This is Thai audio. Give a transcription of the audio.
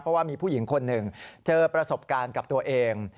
เพราะว่ามีผู้หญิงคนหนึ่งเจอประสบการณ์กับตัวเอง